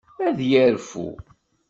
Ad yerfu.